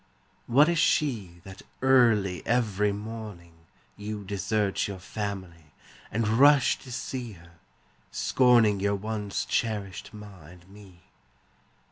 What is she That early every morning You desert your family And rush to see her, scorning Your once cherished ma and me?